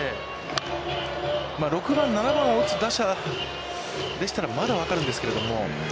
６番、７番を打つ打者でしたらまだ分かるんですけれども。